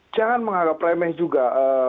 jangan menganggap remeh juga